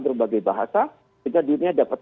berbagai bahasa sehingga dunia dapat